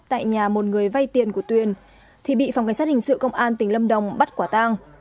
tại nhà một người vay tiền của tuyền thì bị phòng cảnh sát hình sự công an tỉnh lâm đồng bắt quả tang